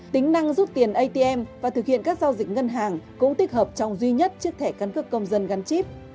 tính năng rút tiền atm và thực hiện các giao dịch ngân hàng cũng tích hợp trong duy nhất trước thẻ căn cước công dân gắn chip